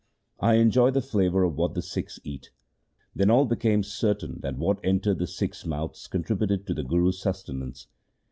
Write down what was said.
I enjoy the flavour of what the Sikhs eat.' Then all became certain that what entered the Sikhs' mouths contributed to the Guru's sus tenance.